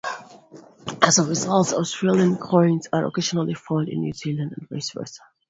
As a result, Australian coins are occasionally found in New Zealand and vice versa.